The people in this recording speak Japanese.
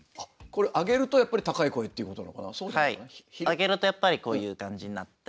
上げるとやっぱりこういう感じになって。